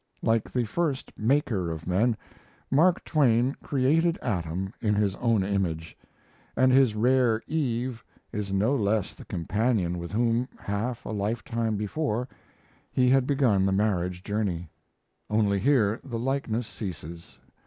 Like the first Maker of men, Mark Twain created Adam in his own image; and his rare Eve is no less the companion with whom, half a lifetime before, he had begun the marriage journey. Only here the likeness ceases.